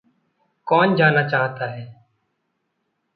कौन जाना चाहता है?